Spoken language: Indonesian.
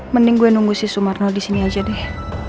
mending gue nunggu si sumarno di sini aja deh